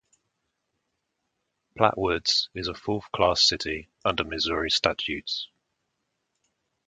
Platte Woods is a fourth class city under Missouri statutes.